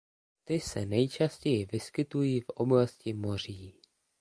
Ty se nejčastěji vyskytují v oblasti moří.